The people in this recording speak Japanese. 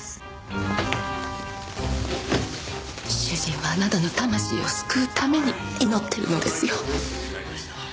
主人はあなたの魂を救うために祈っているのですよ。